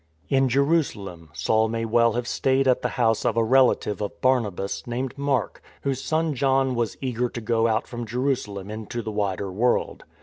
In Jerusalem, Saul may well have stayed at the house of a relative of Barnabas, named Mark, whose son John was eager to go out from Jerusalem into the wider world.